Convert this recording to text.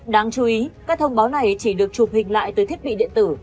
đáng chú ý các thông báo này chỉ được chụp hình lại từ thiết bị điện tử